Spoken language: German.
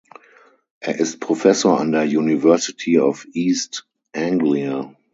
Er ist Professor an der University of East Anglia.